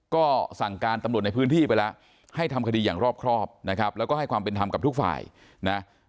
ก็สั่งการตำรวจในพื้นที่ไปแล้วให้ทำคดีอย่างรอบครอบนะครับแล้วก็ให้ความเป็นธรรมกับทุกฝ่ายนะ